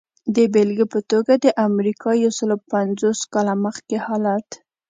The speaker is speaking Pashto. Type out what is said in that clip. د بېلګې په توګه د امریکا یو سلو پنځوس کاله مخکې حالت.